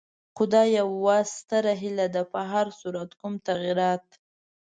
خو دا یوه ستره هیله ده، په هر صورت کوم تغیرات.